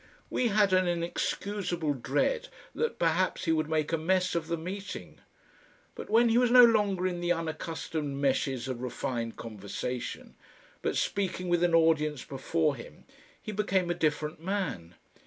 We had an inexcusable dread that perhaps he would make a mess of the meeting. But when he was no longer in the unaccustomed meshes of refined conversation, but speaking with an audience before him, he became a different man.